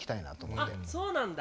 そうなんだ。